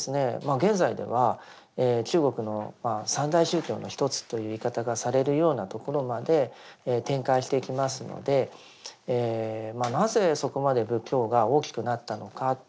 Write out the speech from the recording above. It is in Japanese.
現在では中国の三大宗教の一つという言い方がされるようなところまで展開していきますのでこれからですね